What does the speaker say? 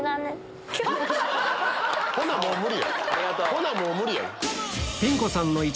ほなもう無理や。